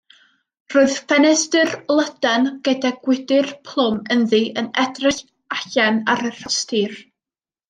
Roedd ffenestr lydan gyda gwydr plwm ynddi yn edrych allan ar y rhostir.